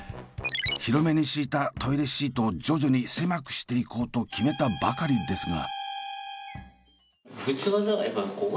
広めに敷いたトイレシートを徐々に狭くしていこうと決めたばかりですが。